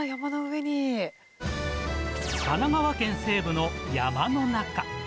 神奈川県西部の山の中。